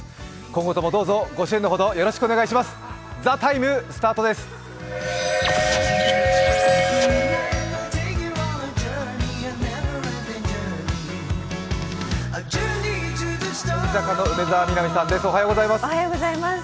今後ともどうぞご支援のほどよろしくお願いします。